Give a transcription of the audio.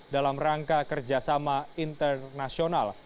dalam rangka kerjasama internasional